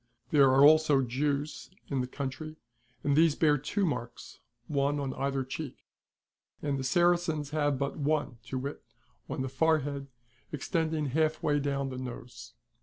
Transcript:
There are also Jews in the country and these bear two marks, one on either cheek ; and the Saracens have but one, to wit, on the forehead extending halfway down the nose.